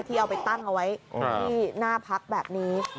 เอาไปตั้งเอาไว้ที่หน้าพักแบบนี้